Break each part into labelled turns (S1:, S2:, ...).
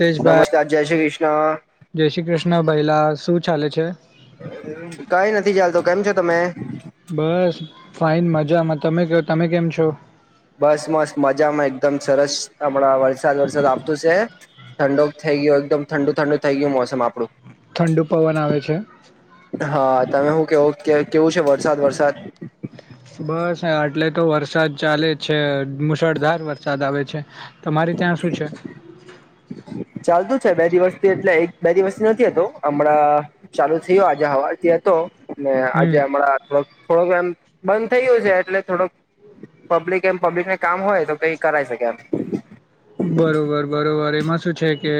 S1: [unintelligible]
S2: નમસ્કાર જય શ્રી
S1: શભાઈ
S2: કૃષ્ણ
S1: જય શ્રી કૃષ્ણ ભહેલા શું ચાલે છે,
S2: કઈ નથી ચાલતો કેમ છો તમે?
S1: બસ ફાઈન મજામાં તમે ક તમે કેમ છો?
S2: બસ મસ મજામાં એકદમ સરસ હમણાં વરસાદ વરસાદ આવત છે ઠંડોક થ થઈ ગયું એકદમ ઠંડુ ઠંડ થ ગયું મોસમ આપડું.
S1: ઠંડુ પવન આવે છે?
S2: ઓકે ઓકે કેવું છે વરસાદ વરસાદ?
S1: [inaudible] બસ આટલે તો વરસાદ ચાલે છે મુશળધાર વરસાદ આવે છે. તમારે ત્યાં શું છે?
S2: ચાલતું છે બે દિવસથી એટલે એક બે દિવસથી નથીતો હમણાં ચાલુ થયો આજે હવા રથી હતો ને આજે
S1: હમ
S2: હમણાં થોડક થોડોક એમ બંધ થયું છે એટલે થોડોક પબ્લિક એમ પબ્લિકને કામ હોય તો કઈ કરાય શકે એમ.
S1: બરોબર બરોબર. એમાં શું છે કે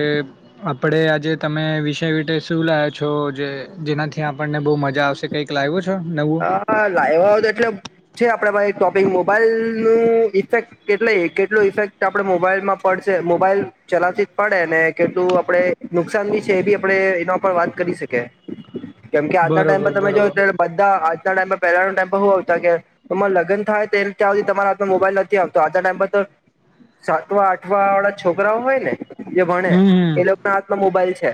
S1: આપણે આજે તમે વિષય [inaudible] શું લાવો છો જે જેનાથી આપણને બઉ મજા આવશે કઈક લાવ્યું?
S2: હા લાવવા તો એટલે છે આપડ ભાઈ તોપિક મોબાઈલ ન ઇફેક્ટ કેટલા કેટલો ઇફેક્ટ આપણે મોબાઈલમાં પડશે મોબાઈલ ચલાવતી જ પડે ને કેટલું આપણે નુકસાન બી છે એ બી આપે એના પર વાત કરી શકે. કેમ કે આજના ટાઈમ
S1: બરોબર
S2: પર તમે જો
S1: બરોબર
S2: ત્યારે આજના ટાઈમાં પહેલા ટાઈમ હું આવતા કે તમારે લગન થાય તો ત્યાં સુધ તમારા હામાં મોબાઈલ નથી આવતો. આજ તો સાતવા આઠવા વાળા છોકરાઓ હોય ને જે ભણે
S1: હમ હમ
S2: એ લોકો ના હાથમાં મોબાઈલ છે.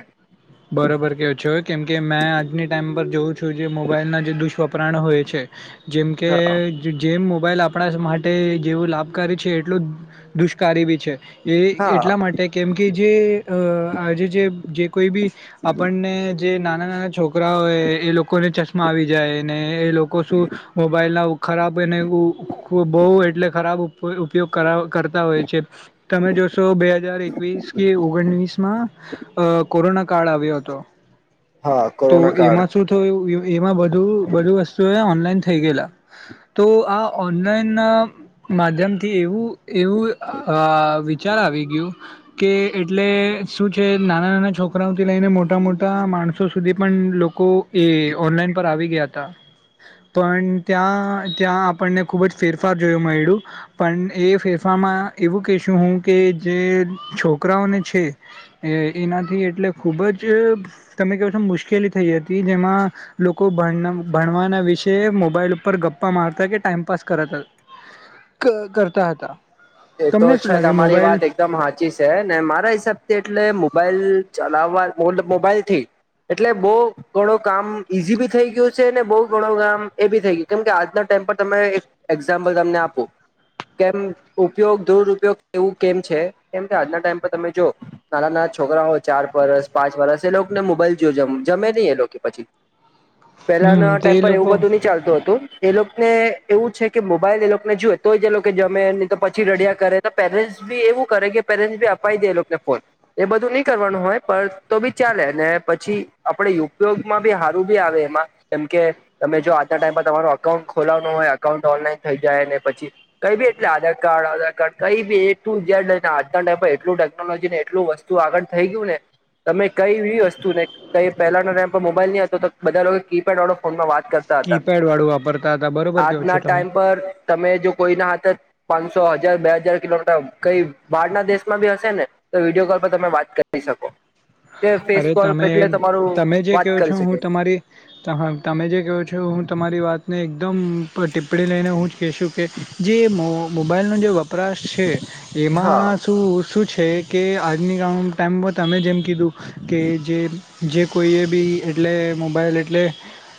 S1: બરોબર કેવ છે કેમ કે મેં આજની ટાઈમ પર જોઉં છું જે મોબાઈલ ના જે દુષ્વપરાણ હોય છે જેમકે
S2: હા
S1: જેમ મોબાઈલ આપણા માટે જેવું લાભકારી છે એટલું દુષ્કારી બી છે. એ એટલા
S2: હા
S1: માટે કેમ કે જે આજે જે કોઈ બી આપણને જે નાના-નાના છોકરા હોય એ લોકોને ચશ્મા આવી જાય ને એ લોકો શું મોબાઈલ ના ખરાબ એને બહુ એટલે ખરાબ ઉપ ઉપયોગ કરાવ કરતા હોય છે તમે જોશો બે હજાર એકવીસ કે ઓગણીસમાં કોરોના કાળ આવ્યો હતો.
S2: હા
S1: તો
S2: કોરોના કાળ
S1: એમાં શું થયું એમાં બું બધું વસ્તુ ઓનલાઈન થઈ ગયેલા. તો આ ઓનલાઈન માધ્યમ થી એવું એવું [unintelligible] ચાલ આવી ગયું કે એટલે શું છે નાના-નાના છોકરા ઓથી લઈને મોટા મોટા માણસો સુધી પણ લોકો એ ઓનલાઈન પર આવી ગયા હતા. પણ ત્યાં ત્યાં આપણને ખુબ જ ફેરફાર જોયો મળડું પણ એ ફેર ફારમાં એવું કહેશું હું કે જે છોકરાઓને છે એનાથી એટલે ખૂબ જ તમે ક છો મુશ્કેલી થઈ હતી જેમાં લોકો ભણ ભણવાના વિશે મોબાઈલ ઉપર ગપ્પા મારતા કે ટાઈમપાસ કરત કરતા હતા.
S2: એ તો
S1: તમને શું
S2: છે
S1: લાગે
S2: તમારી
S1: મોબાઈલ
S2: વાત એકદમ હાચી છે ને મારા હિસાબથી એટલે મોબાઈલ ચલાવાલ મોબાઈલથી એટલે બહુ ગણો કામ ઈઝી બી થઈ ગયું છે ને બહુ ગણું કામ એ બી થઈ ગયું કેમ કે આજના ટાઈમે પર તમે એક એક્ઝામ્પલ તમને આપો કેમ ઉપયોગ દુરપયોગ એવું કેમ છે? કેમ કે આજના ટાઈમ પર તમે જો નાના નાના છોકરાઓ ચાર વરસ પાંચ વરસ એ લોકોને મોબાઈલ જો જમે નહી એ લોકો પછી.
S1: [unintelligible]
S2: પહેલાના
S1: તે
S2: ટાઈમ પર એવું
S1: લોકો
S2: બધું ની ચાલતું હતું. એ લોકોને એવું છે કે મોબાઈલ એ લોકોને જોુએ તોય જે લોકો જમે નહી તો પછી રડિયા કરે. તો પેરેન્ટ બી એવું કરે કે પેરેન્ટ બી અપાઈ દે એને ફોન એ બધું નહી કરવાનું હોય તો બી ચાલે ને પછી આપણે ઉપયોગમાં બી હારું બી આવે એમાં કેમ કે તમે જો આ ટાઈમ તમારો અકાઉન્ટ ખોલાવનું હોય અકાઉન્ટ ઓનલાઈન થઈ જાય ને પછી કઈ બી એટલે આધાર કાર્ડ આધાર કાર્ડ કઈ બી એ ટુ ઝેડના, આજના ટાઈમ એટલું ટેકનોલોજી ને એટલું વસ્તુ આગળ થઈ ગયું ને તમે કઈ એવી વસ્તુ ને કઈ પહેલા ના ટાઈમ પર મોબાઈલ નહી હતો તો બધા લોકો કીપેડ વાળો ફોનમાં વાત કરતા હતા.
S1: કીપેડ વાળું વાપરતા હતા બરોબર કેવો છો
S2: આજના
S1: તમે
S2: ટાઈમ પર તમે જો કોઈના હાથે પાંસો હજાર બે હજાર કિલોમીટર કઈ બહાર ના દેશમાં ભી હશે ને તો વિડીયો કોલ પર તમે વાત કરી શકો. કે ફેસ
S1: અરે
S2: કોલ
S1: તમે
S2: એટલે
S1: એમ
S2: તમારું
S1: તમે જે
S2: વાત
S1: કયો છો
S2: કરી
S1: હું
S2: શકે
S1: તમારી ત તમે જે કહ્યો છો એ હું તમારી વાત ને એકદમ ટીપ્પણી લઈને હું જ કહેશું કે જે મો મોબાઈલનો જે વપ પરાશ
S2: હા
S1: એમાં શું શું છે કે આજની આમ ટાઈમમાં તમે જેમ કીધું કે જે-જે કોઈએ બી એટલે મોબાઈલ એટલે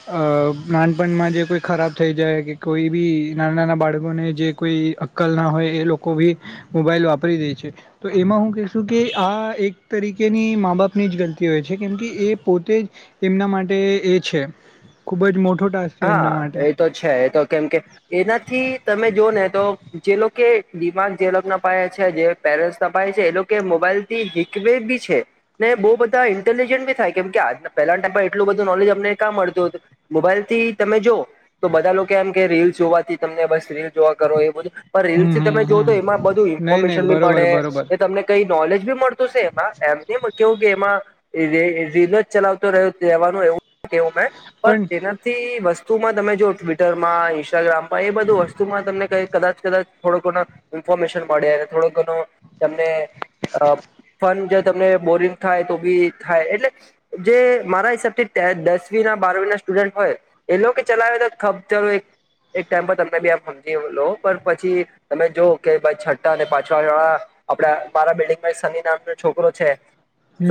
S1: અહ નાનપણમાં જે કોઈ ખરાબ થઈ જાય કે કોઈ બી નાના-નાના બાળકોને જે કોઈ અક્કલ ના હોય એ લોકો ભી મોબાઈલ વાપરી દે છે, તો એમાં હું કશું કે આ એક તરીકેની મા બાપ ની જ ગલતી હોય છે, કેમ કે એ પોતે જ એમના માટે એ છે ખૂબ જ મોટ
S2: હા એ તો છે. એ તો કેમ કે એનાથી તમે જોઓ ને તો જે લોકએ દિમાગ જે લોકના પાહે છે જે પેરેન્ટસના ષાહે છે એ લોકે મોબાઈલ થી [unintelligible] [unintelligible] છે ને બહુ બધા ઇન્ટેલિજન્ટ બી થાય કેમ કે આજના પહેલાના ટાઈમમાં એટલું બધું નોલેજ અમને કા મળત ળતું હતું. મોબાઈલ થી તમે જોઓ તો બધા લોકો એમ કે રીલ્સ જોવાથી તમને બસ રીલ જોવા કરો એ બધું પણ રીલ્સ
S1: હમ
S2: થી
S1: હમ
S2: તમે જોવ તો એમાં
S1: હમ
S2: બધું
S1: નહી નહી
S2: ઇન્ફોર્મેશન બી
S1: બરોબર
S2: મળે,
S1: બરોબર
S2: એ તમને કઈ નોલેજ બી મળત તું સે એમાં [unintelligible] કેવું કે એમાં રી રીલ જ ચલાવતો રહેવું કહેવાનું એવું કેવું મેં પણ તેના થી વસ્તુમાં તમે જુઓ ટ્વિટર માં, ઇન્સ્ટાગ્રામમાં એ બધું વસ્તુમાં તમને કી કદાચ કદાચ થોડો ઘનો ઈન્ફોર્મેશન મળે અને થોડો ઘણો તમને અહ ફન જો તમને બોરિંગ થાય તો બી થાય એટલે જે મારા હિસાબથી ટે દસવી બારવી ના સ્ટુડન્ટ હોય એ લોકો એ ચલાવે [unintelligible] એક ટાઈમ પર તમને બી આમ હમજી લો પણ પછી તમે જોઓ કે ભાઈ પાચમાં અને છઠ્ઠા [unintelligible] આપડા મારા બિલ્ડિંગમાં એક સની નામનો છોકરો છે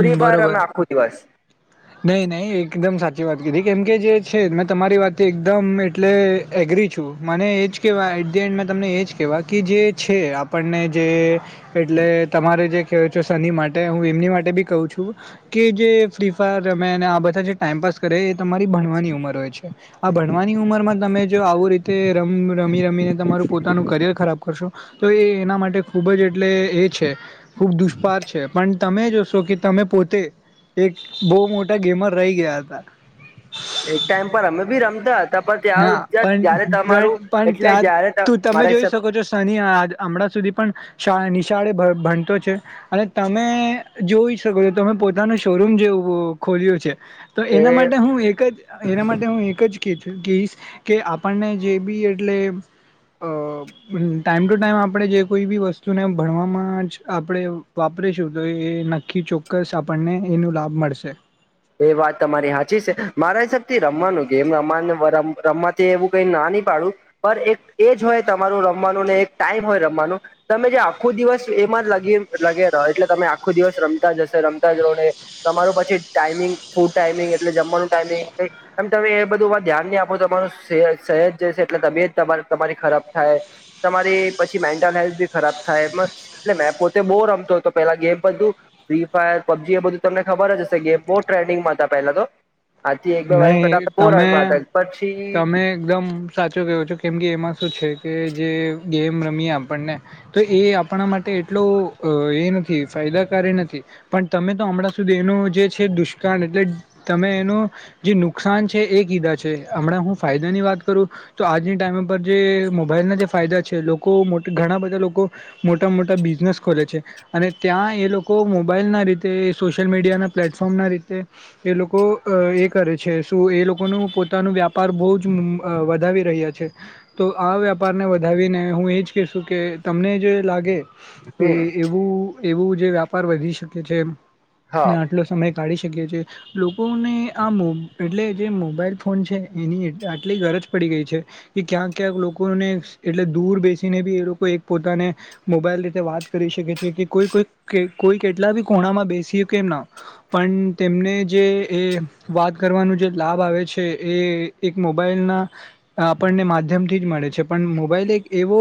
S2: ફ્રી ફાયર
S1: બરોબર.
S2: રમે આખો દિવસ
S1: નહી, નહી એકદમ સાચી વાત કીધી. કેમ કે જે છે મેં તમારી વાત એકદમ એટલે એગ્રી છું મને એજ કેહેવાય. એટ ધી એન્ડ તમને એજ કેવા કે જે છે આપણને જે એટલે તમારે જે કહ્યો છો સનિ મા ટે હું એમની [unintelligible] ટે બી કહું છું કે જે ફ્રી ફાયર રમે અને આ બધા જે ટાઈમપાસ કરે એ તમારી બણવાની ઉમર હોય હોય છે. આ ભણવાની ઉમરમાં તમે જો આવું રીતે રમ રમી-રમી ને તમે પોતાનું કરિયર ખરાબ કર રો છો તો એ એના માટે ખૂબ જ એટલે એ છે ખૂબ દુષ્પાર છે, પણ તમે જો તોકે તમે પોતે એક બહુ મોટા ગેમર રહી ગયા હતા
S2: એક ટાઈમ પર અમે બી રમતા હતા પણ
S1: હા
S2: ત્યાં ત્યારે તમારું
S1: પણ-પણ-પણ
S2: એટલે
S1: ત્યાં
S2: જયારે
S1: તું તમે
S2: મારા
S1: જોઈ
S2: હિસાબ
S1: શકો છો શનિ [unintelligible] હમણાં સુધી પણ શા નિશાળે બ ભણતો છે અને તમે જોઈ શકો છો તમ પોતાનું શોરૂમ જે ખોલ્યું છે તો એના
S2: એ
S1: માટે હું એક જ એના માટે હું એક જ કઈશ કે આપણને જે બી એટલે અહ ટાઈમ ટુ ટાઈમ આપણે જે કોઈ બી વસ્તુને ભણવામાં જ આપણે વાપ રીશું તો એ નક્કી ચોક્કસ આપણને એનો લાભ મળશે.
S2: એ વાત તમારી હાચી સે. મારા હિસાબથી રમવાનું, ગેમ રમવા [unintelligible] થી એવું કઈ ના ની પાડુ, પણ એક એજ હોય તમારું રમવાનું, ને એક ટાઈમ હોય રમવાનું. તમે જે આખો દિવસ એમાં જ લાગી લગે રહો એટલે તમે આખો દિવસ રમતા જ હશો, રમતા જ રહો ને તમારું પછી ટાઈમિંગ, ફૂડ ટાઈમિંગ એટલે જમવાનું ટાઈમિંગ [inaudible] એમ તમે એ બધુંમાં ધ્યાન નહી આપો તમારો સે હેત જશે એટલે તબિયત તમાર તમારી ખરાબ થાય હે. તમારી પછી મેન્ટલ હેલ્થ બી ખરાબ થાય એટલે મેં પોતે બહુ રમતો તો પેલા, ગેમ બધું ફ્રી ફાયર, પબજી એ બધું તમને ખબર જ હશે ગેમ. બોવ ટેર્ડિંગમાં હતા પેલા તો આજથી એક બે વર્ષ પેલા
S1: નહી
S2: બહુ
S1: તમે
S2: રમ્યા હતા પછી
S1: તમે એકદમ સાચો કેવો છો કેમ કે એમાં શું છે કે જે ગેમ રમીએ આપણને તો એ આપણા માટે એટલો એ નથી [unintelligible] નથી પણ તમે તો હમણાં સુધી એનું જે છે દુષ્કાળ એટલે તમે એનું જે નુકસાન છે એ કીધા છે હમણાં હું ફાયદાની વાત કરું તો આજની ટાઈમ પર જે મોબાઈલ ફાયદા છે લોકો ઘણા બધા લોકો મોટા મોટા બિઝનેસ ખોલે છે અને ત્યાં એ લોકો મોબાઈલના રીતે એ સોશિયલ મીડિયાના પ્લેટફોર્મના રીતે એ લોકો એક કરે છે શું એ લોકોનું પોતાનો વ્યાપાર બહુ જ વધાવી રહ્યા છે તો આ વેપારને વધાવીને હું એ જ કહેશું કે તમને જે લાગે કે
S2: હમ
S1: એવું એવું જે વ્યાપાર વધી શકે છે
S2: હા
S1: ને આટલો સમય ટાળી શકીએ છીએ લોકોને આ મો એટલે જે મોબાઈલ ફોન છે એની આટલી ગરજ પડી ગઈ છે કે ક્યાંક ક્યાંક લોકો દૂર બેસીને બી એ લોકો એક પોતાને મોબાઈલ રીતે વાત કરી શકે છે કે કોઈ કોઈ કોઈ કેટલા બી ખુણામાં બેસી કે એમ ના પણ તેમને જે એ વાત કરવાનું જે લાભ આવે છે એ એક મોબાઈલ ના આપણને માધ્યમ થી જ મળે છે પણ મોબાઈલ એક એવો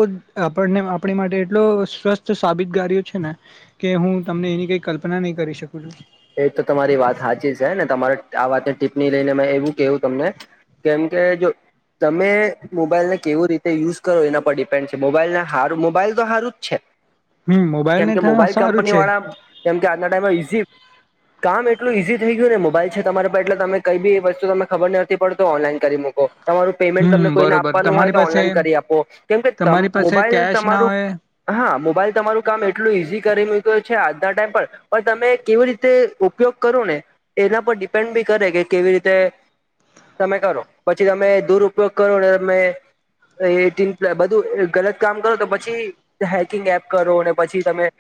S1: આપણને આપણી માટે એટલો સ્વસ્થ સાબિત કર્યો છે ને કે હું તમને એની કઈ કલ્પના નહી કરી શકું છું
S2: એ તો તમારી વાત હાચી જ છે ને તમારે આ વાતની ટીપ્પણી લઈને મે એવું કેવું તમને કેમ કે જો તમે મોબાઈલને કેવું રીતે યુઝ કરો એના પર ડિપેન્ડ છે મોબાઈલ ને હ મોબાઈલ તો હારું જ છે
S1: હમ મોબાઈલ
S2: કેમ
S1: ને
S2: કે
S1: થ
S2: મોબાઈલ
S1: સારું
S2: કંપની
S1: છે
S2: વાળા કેમકે આજના ટાઈમમાં ઈઝી કામ એટલું ઈઝી થઈ ગયું ને મોબાઈલ છે તમારે એટલે તમે કઈ બી વસ્તુ ખબર નથી પડતો ઓનલાઈન કરી મૂકો તમારું પેમેન્ટ તમને
S1: હમ
S2: કોઈને
S1: બરોબર
S2: આપવાનું હોય
S1: તમારી
S2: તો
S1: પાસે
S2: ઓનલાઈન કરી આપો કેમ કે
S1: તમારી પાસે
S2: મોબાઈલ
S1: કેશ ના
S2: તમારું
S1: હોય
S2: હા મોબાઈલ તમારું કામ એટલું ઈઝી કરી છે આજના ટાઈમ પણ તમે કેવી રીતે ઉપયોગ કરો ને એના પર ડિપેન્ડ બી કરે કે કેવી રીતે તમે કરો પછી તમે દુર ઉપયોગ કરો ને તમે એ બધું ગલત કામ કરો તો પછી હેકિંગ એપ કરો પછી તમે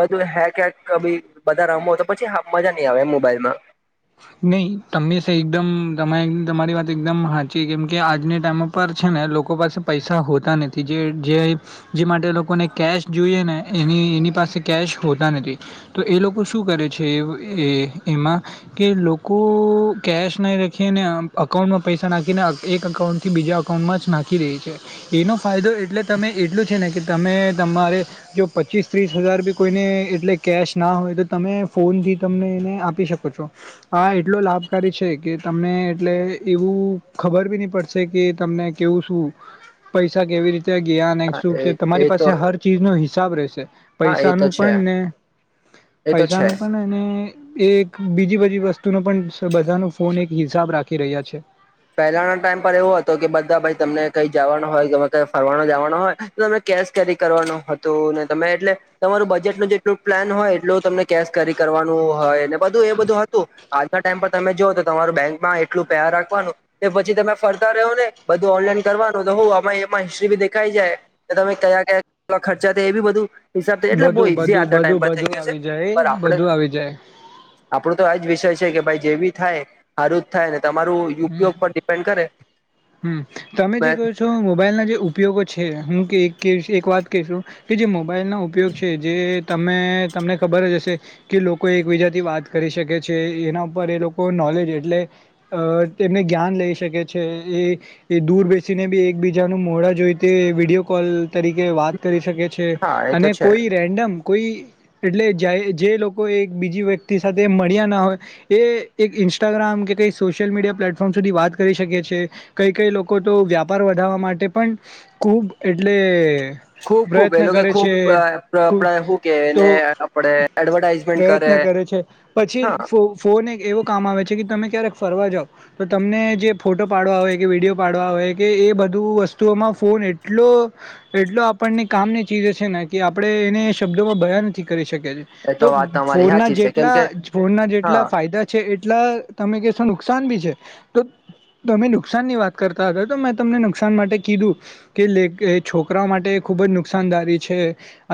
S2: બધું હેક હેક બધા રમો તો પછી મજા નઈ આવે એમ મોબાઈલમાં
S1: નહી તમમે છે એકદમ તમે તમારી વાત એકદમ સાચી કેમ કે આજના ટાઈમ પર છે ને લોકો પાસે પૈસા હોતા નથી જે જે માટે લોકોને કેશ જોઈએ ને એની એની પાસે કેશ હોતા નથી તો એ લોકો શું કરે છે એ એમાં કે લોકો કેશ નહીં રાખીને અકાઉન્ટમાં પૈસા નાખીને એક અકાઉન્ટ થી બીજા અકાઉન્ટ નાખી એનો ફાયદો એટલે તમે એટલો છે ને કે તમે તમારે જો પછી પચીસ ત્રીસ હજાર બી કોઈને એટલે કેશ ના હોય તો તમે ફોનથી તમને એને આપી શકો છો આ એટલો લાભકારી છે કે તમને એટલે એવું ખબર બી નહી પડશે કે તને કેવું શું પૈસા કેવી રીતે જ્ઞાન એક
S2: હા
S1: સુખ
S2: એ
S1: છે તમારી
S2: એ
S1: પાસે
S2: તો
S1: હર ચીજ નો હિસાબ રહેશે
S2: હા એ તો
S1: પૈસાનું
S2: છે
S1: પણ ને
S2: એ તો
S1: પૈસા
S2: છે
S1: નું પણ એક બીજી બાજુ વસ્તુનો પણ બધાનો ફોન એક હિસાબ રાખી રહ્યા છે
S2: પહેલાના ટાઈમ પર એવો હતો કે બધાઈ તમને કઈ જવાનો હોય ફરવાનો જવાનો હોય તો તમે કેશ કેરી કરવાનું હતું તમે એટલે તમારું બજેટ નું જેટલું પ્લાન હોય એટલું તમને કેશ કેરી કરવા હોય બધું એ બધું હતું આજના ટાઈમ પર તમે જો તો તમારું બેંકમાં એટલું [unintelligible] રાખવાનું પછી તમે ફરતા રહો ને બધું ઓનલાઈન કરવાનું તો આમાં એમાં હિસ્ટ્રી બી દેખાઈ જાય તમે ખર્ચા થયા એબી બધું હિસાબ એટલે બહુ
S1: બધું
S2: ઈઝી
S1: બધું
S2: આજના
S1: બધું
S2: ટાઈમ પર થઈ
S1: બધું
S2: ગયો છે
S1: આવી જાય
S2: પર આપણે
S1: બધું આવી જાય
S2: આપડો તો આજ વિષય છે કે ભાઈ જેવી થાય હારું જ થાય ને તમારું
S1: હમ
S2: ઉપયોગ પર ડિપેન્ડ કરે
S1: હમ તમે જે કહો
S2: મેં-
S1: છો મોબાઈલ ના જે ઉપયોગો છે હું કે એક વાત કશું કે જે મોબાઈલનો ઉપયોગ છે જે તમે તમને ખબર જ હશે કે લોકો એકબીજાથી વાત કરી શકે છે એના ઉપર એ લોકો નો કોલેજ એટલે અ એમને જ્ઞાન લઈ શકે છે એ એ દૂર બેસીને બી એકબીજાનું મોડા જોઈ તે વિડીયો કોલ તરીકે વાત કરી શકે છે
S2: હા એ તો
S1: અને
S2: છે
S1: કોઈ રેન્ડમ કોઈ એટલે જાય જે લોકો એક બીજી વ્યક્તિ સાથે મળ્યા ના હોય એ એક ઈન્સ્ટાગ્રામ કે કઈ સોશલ મીડિયા પર પ્લેટફોર્મ સુધી વાત કરી શકીએ છે કઈ કઈ લોકો તો વ્યાપાર વધારવા માટે પણ ખૂબ એ એટલે
S2: ખુબ ખુબ એ
S1: પ્રયત્ન
S2: લોકો કે
S1: કરે
S2: ખુબ
S1: છે
S2: અ આપણા
S1: ખૂબ
S2: હું કેય
S1: તો
S2: એને આપણે એડવર્ટાઈઝમેન્ટ
S1: પ્રયત્ન
S2: કરે.
S1: કરે છે પછી
S2: હા
S1: ફોન એક એવો કામ આવે છે કે તમે ક્યારેક ફરવા જાવ તો તમને જે ફોટો પાડવા હોય, કે વિડીયો પાડવા હોય કે એ બધું વસ્તુઓમાં ફોન એટલો એટલો એટલો આપણને કામની ચીજ છે ને કે આપણે એને શબ્દોમાં બયાન નથી કરી શકતા.
S2: એ
S1: તો
S2: વાત તમારી
S1: ફોનના
S2: સાચી છે કેમ
S1: જેટલા
S2: કે
S1: ફોનના
S2: હા
S1: જેટલા ફાયદા છે એટ એટલા તમે કેશો નુકસા નુકસાન બી છે તો તમે નુકસાન ની વાત કરતા હતા તો મેં તમને નુકસાન માટે કીધું કે એ છોકરા માટે ખુબ જ નુકસાનદારી છે.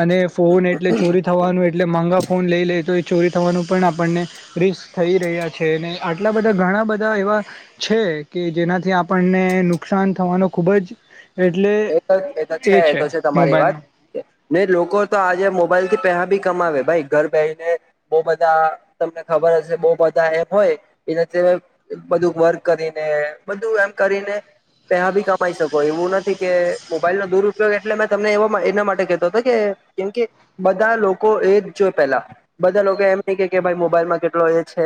S1: અને ફોન એટલે ચોરી થવાનું એટલે મહગા ફોન લઈ લે તો ચોરી થવાનું પણ આપણને રિસ્ક થઈ રહ્યા છે ને આટલા બધા ઘણા બધા એવા છે કે જેનાથી આપણને નુકસાન થવાનો ખુબ જ એટલે
S2: એ તો એ તો છે એ તો છે તમારી વાત ને લોકો તો આજે મોબાઈલ થી પેહા બી કમાવે ભઈ ઘર બેહિને બો બધા તમને ખબર હસે બો બધા એપ હોય એના બધું વર્ક કરીને બધું એમ કરીને પેહા ભી કમાઈ શકો એવું નથી કે મોબાઈલ નો દુરપયોગ એટલે મે તમને એ એના માટે કેતો હતો કે કેમ કે બધા લોકો એ જ જોય પેલા બધા લોકો એમ કેય કે ભાઈ મોબાઈલમાં કેટલો એ છે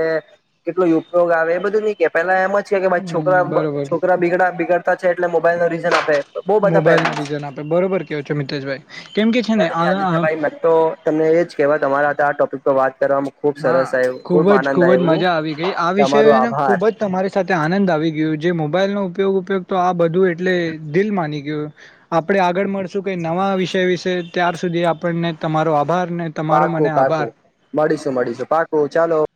S2: કેટલું ઉપયોગ આવે એ બધું ની કેય પેલા એમ જ કે ભાઈ છોકરા
S1: હમ બરોબર
S2: છોકરા બિગડા બીગડતા છે એટલે મોબાઈલ નો રીઝન આપે. બો બધા
S1: મોબાઈલના
S2: પેરેન્ટસ.
S1: રીઝન આપે બરોબર કહો છો મિતેશભાઈ કેમ કે છે ને
S2: કય ની આદિત્યભાઈ મે તો તમને એ જ કેહવા તમારા હાથે આ ટોપિક પર વાત કરવામાં ખુબ
S1: હા
S2: સરસ આવ્યું
S1: ખુબ જ
S2: આનંદ
S1: ખુબ જ
S2: આવ્યું
S1: મજા આવી ગઈ આ
S2: તમારો
S1: વિષયને
S2: આભાર
S1: ખુબ જ તમારી સાથે આનંદ આવી ગીયો. જે મોબાઈલ નો ઉપયોગ ઉપયોગ તો આ બધું એટલે દિલ માની ગીયુ આપડે આગળ મળશું કે નવા વિષય વિશે ત્યાર સુધી આપણને તમારો આભાર ને તમારો
S2: પાકું
S1: મને આભાર
S2: પાકું મળીશું મળીશું પાકું ચાલો.